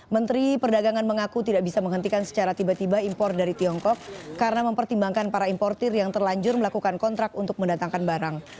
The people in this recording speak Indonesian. menteri perdagangan mengaku tidak bisa menghentikan secara tiba tiba impor dari tiongkok karena mempertimbangkan para importir yang terlanjur melakukan kontrak untuk mendatangkan barang